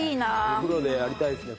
お風呂でやりたいですね